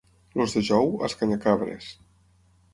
Els de Jou, escanyacabres.